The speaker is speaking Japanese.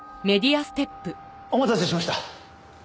お待たせしました。